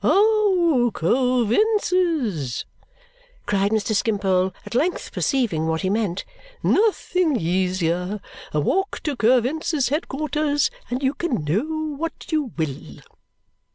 "Oh! Coavinses?" cried Mr. Skimpole, at length perceiving what he meant. "Nothing easier. A walk to Coavinses' headquarters, and you can know what you will."